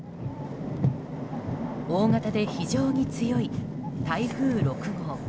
大型で非常に強い台風６号。